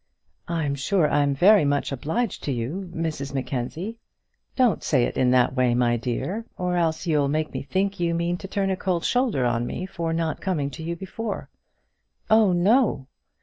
"I'm sure I'm very much obliged to you, Mrs Mackenzie " "Don't say it in that way, my dear, or else you'll make me think you mean to turn a cold shoulder on me for not coming to you before." "Oh, no."